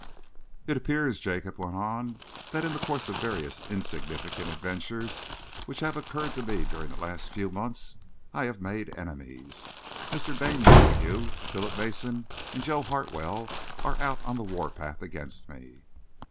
"It appears," Jacob went on, "that in the course of various insignificant adventures which have occurred to me during the last few months, I have made enemies. Mr. Dane Montague, Philip Mason, and Joe Hartwell are out on the warpath against me."